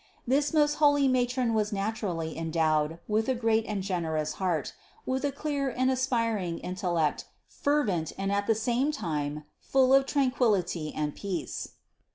This most holy matron was naturally endowed with a great and generous heart, with a clear and aspiring intellect fervent and at the same time full of tranquillity and peace.